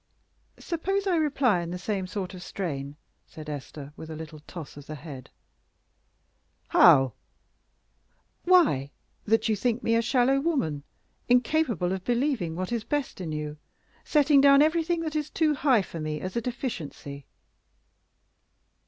"Suppose I reply in the same sort of strain?" said Esther, with a little toss of the head. "How?" "Why, that you think me a shallow woman, incapable of believing what is best in you, setting down everything that is too high for me as a deficiency."